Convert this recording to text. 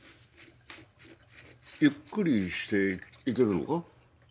ゆっくりしていけるのか？